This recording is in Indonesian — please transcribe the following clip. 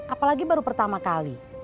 apalagi baru pertama kali